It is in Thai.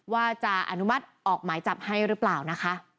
ว่าจะอนุมัติออกหมายจับให้หรือเปล่านะคะ